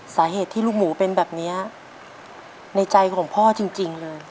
สาเหตุที่ลูกหมูเป็นแบบนี้ในใจของพ่อจริงเลย